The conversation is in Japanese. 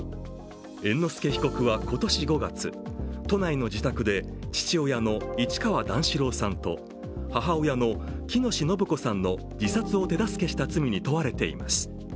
猿之助被告は今年５月、都内の自宅で父親の市川段四郎さんと母親の喜熨斗延子さんの自殺を手助けした罪に問われています。